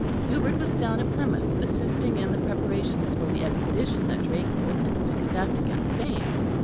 Hubert was down at Plymouth, assisting in the preparations for the expedition that Drake hoped to conduct against Spain.